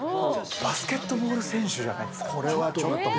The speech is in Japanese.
バスケットボール選手じゃないですか？